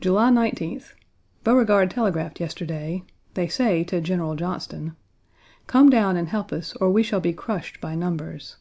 July 19th. Beauregard telegraphed yesterday (they say, to General Johnston), "Come down and help us, or we shall be crushed by numbers."